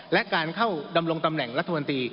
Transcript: และการเข้าดำรงตำแหน่งรัฐมนตรี